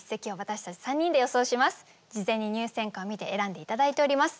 事前に入選歌を見て選んで頂いております。